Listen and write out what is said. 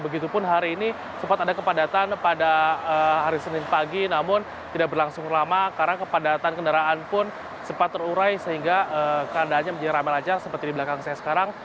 begitupun hari ini sempat ada kepadatan pada hari senin pagi namun tidak berlangsung lama karena kepadatan kendaraan pun sempat terurai sehingga keadaannya menjadi ramai lancar seperti di belakang saya sekarang